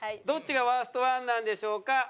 どっちがワースト１なんでしょうか？